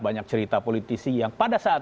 banyak cerita politisi yang pada saat